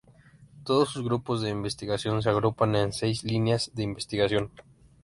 Todos sus grupos de investigación se agrupan en seis líneas de investigación.